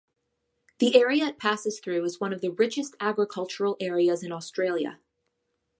The area it passes through is one of the richest agricultural areas in Australia.